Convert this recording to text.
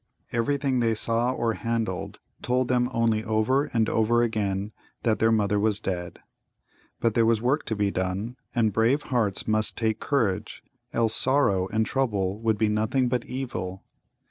Everything they saw or handled told them only over and over again that their mother was dead. But there was work to be done, and brave hearts must take courage, else sorrow and trouble would be nothing but evil.